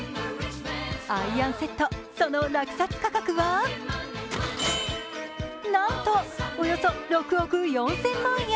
アイアンセットその落札価格はなんとおよそ６億４０００万円！